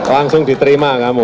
langsung diterima kamu